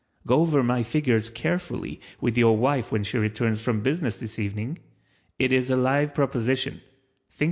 Go over my figures carefully with your wife when she returns from business this evening—It is a live proposition—Think it over!